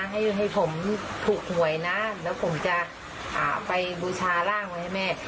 ให้ให้ผมถูกหวยนะแล้วผมจะไปบูชาร่างไว้ให้แม่